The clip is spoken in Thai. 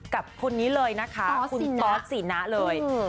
กับคนนี้เลยนะคะคุณตอสสีนะเลย